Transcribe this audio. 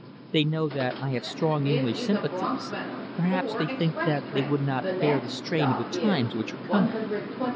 "They know that I have strong English sympathies. Perhaps they think that they would not bear the strain of the times which are coming."